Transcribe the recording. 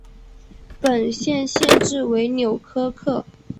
本县县治为纽柯克。